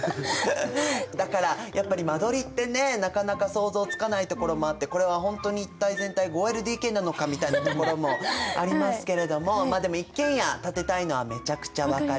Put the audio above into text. だからやっぱり間取りってねなかなか想像つかないところもあってこれは本当に一体全体５ＬＤＫなのかみたいなところもありますけれどもでも一軒家建てたいのはめちゃくちゃ分かる。